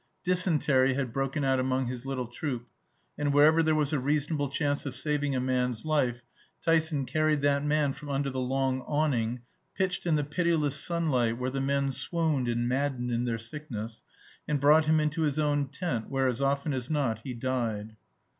Dysentery had broken out among his little troop; and wherever there was a reasonable chance of saving a man's life, Tyson carried that man from under the long awning, pitched in the pitiless sunlight where the men swooned and maddened in their sickness, and brought him into his own tent, where as often as not he died.